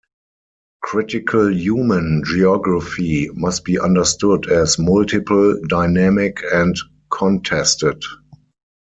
Critical human geography must be understood as multiple, dynamic, and contested.